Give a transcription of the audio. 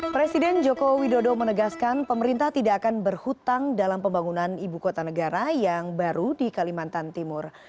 presiden joko widodo menegaskan pemerintah tidak akan berhutang dalam pembangunan ibu kota negara yang baru di kalimantan timur